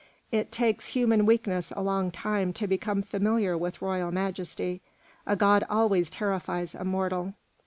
It takes human weakness a long time to become familiar with royal majesty; a god always terrifies a mortal."